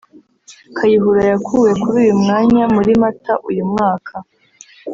Kayihurayakuwe kuri uyu mwanya muri Mata uyu mwaka